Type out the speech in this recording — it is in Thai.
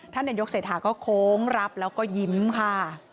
ท่านนายกเสถาก็โค้งรับแล้วก็ยิ้มค่ะ